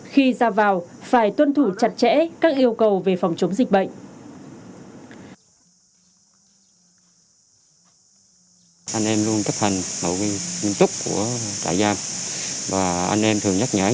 khi ra vào phải tuân thủ chặt chẽ các yêu cầu về phòng chống dịch bệnh